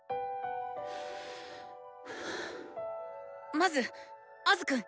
まずアズくん！